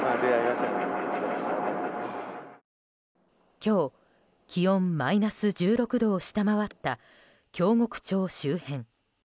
今日、気温マイナス１６度を下回った京極町周辺。